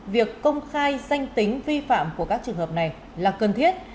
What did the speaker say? việc công khai danh tính vi phạm của các trường hợp này là cần thiết